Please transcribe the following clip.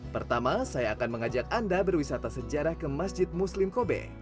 pertama saya akan mengajak anda berwisata sejarah ke masjid muslim kobe